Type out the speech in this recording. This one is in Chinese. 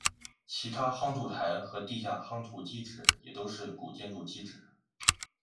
其他夯土台和地下夯土基址也都是古建筑基址。